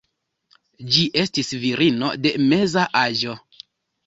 Ĝi estis virino de meza aĝo.